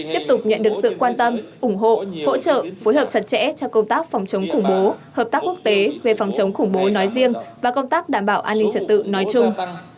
tiếp tục nhận được sự quan tâm ủng hộ hỗ trợ phối hợp chặt chẽ cho công tác phòng chống khủng bố hợp tác quốc tế về phòng chống khủng bố nói riêng và công tác đảm bảo an ninh trật tự nói chung